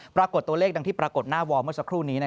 ปรากฏตัวเลขดังที่ปรากฏหน้าวอลเมื่อสักครู่นี้